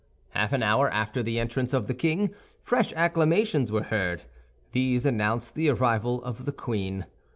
Half an hour after the entrance of the king, fresh acclamations were heard; these announced the arrival of the queen.